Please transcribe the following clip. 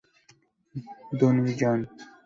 Dunning, John.